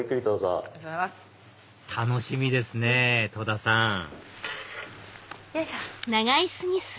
楽しみですね戸田さんよいしょ。